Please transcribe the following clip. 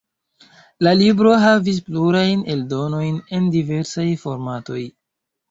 La libro havis plurajn eldonojn en diversaj formatoj.